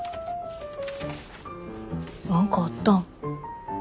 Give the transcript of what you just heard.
何かあったん？